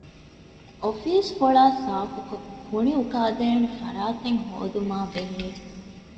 އޮފީސް ފޮޅާ ސާފުކޮށް ކުނިއުކާދޭނެ ފަރާތެއް ހޯދުމާބެހޭ